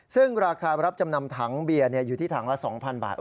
ซึ่งราคารับจำนำถังเบียร์อยู่ที่ถังละ๒๐๐บาท